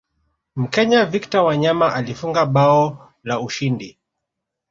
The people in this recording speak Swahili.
mkenya victor wanyama alifunga bao la ushindi